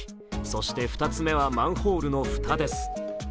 そして２つ目はマンホールの蓋です